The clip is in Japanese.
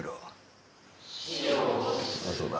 ああそうだ。